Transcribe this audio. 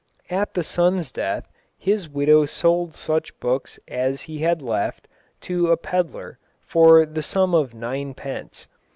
At the son's death, his widow sold such books as he had left, to a pedlar, for the sum of ninepence.